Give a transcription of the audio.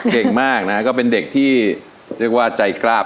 เก่งมากนะก็เป็นเด็กที่เรียกว่าใจกล้าบ